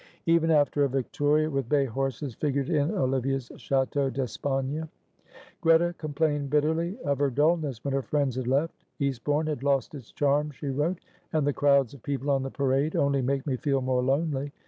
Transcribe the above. Ever after a victoria with bay horses figured in Olivia's châteaux d'espagne. Greta complained bitterly of her dullness when her friends had left. "Eastbourne has lost its charms," she wrote, "and the crowds of people on the Parade only make me feel more lonely.